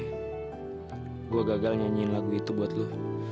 saya gagal menyanyikan lagu itu untuk anda